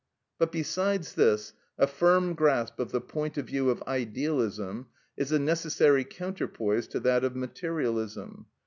But, besides this, a firm grasp of the point of view of idealism is a necessary counterpoise to that of materialism.